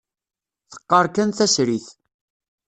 Teqqar kan tasrit.